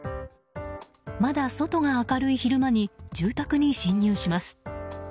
まだ外が明るい昼間に住宅に侵入します。